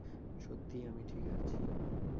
সত্যি, আমি ঠিক আছি।